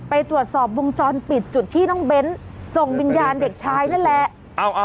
ไปตรวจสอบวงจรปิดจุดที่น้องเบ้นส่งวิญญาณเด็กชายนั่นแหละ